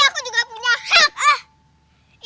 jadi aku juga punya hak